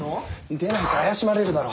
出ないと怪しまれるだろ。